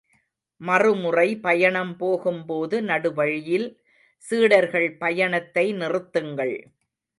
மறுமுறை பயணம் போகும்போது, நடுவழியில் சீடர்கள் பயணத்தை நிறுத்துங்கள்.